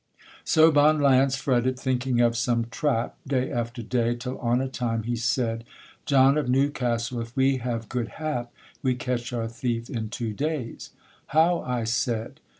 So Bonne Lance fretted, thinking of some trap Day after day, till on a time he said: John of Newcastle, if we have good hap, We catch our thief in two days. How? I said.